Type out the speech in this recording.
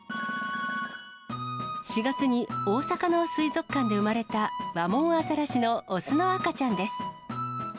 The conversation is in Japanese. ４月に大阪の水族館で産まれたワモンアザラシの雄の赤ちゃんです。